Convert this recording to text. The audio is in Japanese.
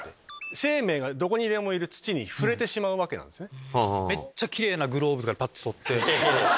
生命がどこにでもいる土に触れてしまうわけなんですね。